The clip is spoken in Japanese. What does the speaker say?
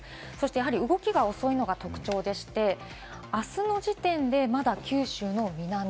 やはり動きが遅いのが特徴でして、あすの時点で、まだ九州の南。